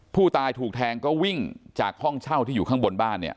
ผู้ตายถูกแทงก็วิ่งจากห้องเช่าที่อยู่ข้างบนบ้านเนี่ย